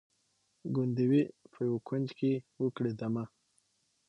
ګوندي وي په یوه کونج کي وکړي دمه